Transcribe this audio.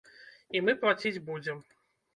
І мы плаціць будзем.